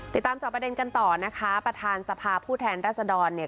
จอบประเด็นกันต่อนะคะประธานสภาผู้แทนรัศดรเนี่ย